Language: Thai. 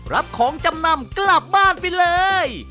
รับของจำนำกลับบ้านไปเลย